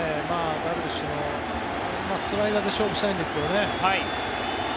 ダルビッシュもスライダーで勝負したいんですけどね。